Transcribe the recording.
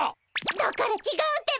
だからちがうってば！